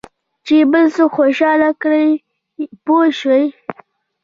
چې بل څوک خوشاله کړې پوه شوې!.